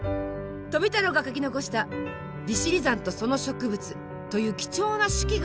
富太郎が書き残した「利尻山と其植物」という貴重な手記があるんですね。